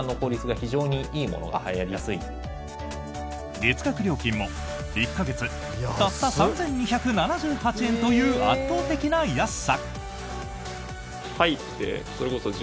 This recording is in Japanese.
月額料金も１か月たった３２７８円という圧倒的な安さ！